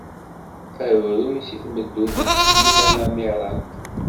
Abruy seg tmeddurt n Sliman Ɛmirat.